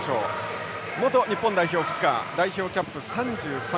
元日本代表フッカー代表キャップ３３。